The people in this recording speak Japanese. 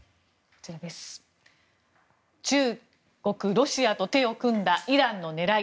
中国・ロシアと手を組んだイランの狙い。